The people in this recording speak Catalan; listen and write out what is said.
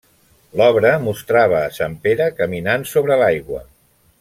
L'obra mostrava a sant Pere caminant sobre l'aigua.